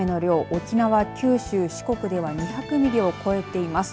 沖縄、九州、四国では２００ミリを超えています。